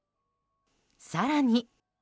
更に。